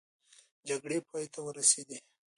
جګړه پای ته ورسېده.